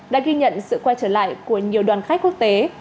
đã ghi nhận sự quay trở lại của nhiều đoàn khách quốc tế